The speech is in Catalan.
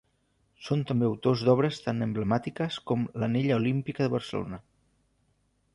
Són també autors d'obres tan emblemàtiques com l'Anella Olímpica de Barcelona.